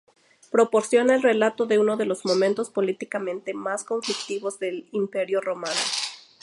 Proporciona el relato de uno de los momentos políticamente más conflictivos del Imperio romano.